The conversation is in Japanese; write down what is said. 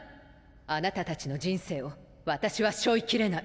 あなたたちの人生を私は背負いきれない。